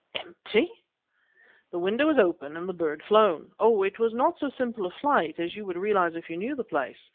"Empty!" "The window was open, and the bird flown! Oh! it was not so simple a flight as you would realize if you knew the place.